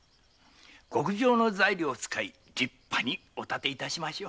極上の材料を使い立派にお建て致しましょう。